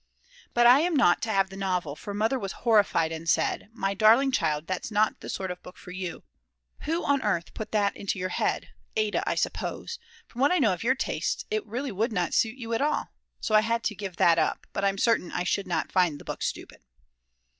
But I am not to have the novel, for Mother was horrified and said: My darling child, that's not the sort of book for you; who on earth put that into your head; Ada, I suppose? From what I know of your tastes, it really would not suit you at all. So I had to give that up, but I'm certain I should not find the book stupid.